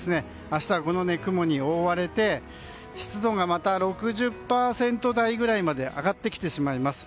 明日はこの雲に覆われて湿度がまた６０％台くらいまで上がってきてしまいます。